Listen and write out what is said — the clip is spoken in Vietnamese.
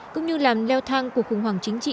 cũng như làm leo thang cuộc khủng hoảng chính trị